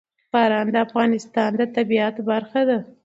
باران د افغانستان د طبیعت برخه ده.